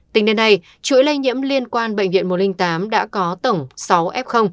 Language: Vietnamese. tính đến nay chuỗi lây nhiễm liên quan bệnh viện một trăm linh tám đã có tổng sáu f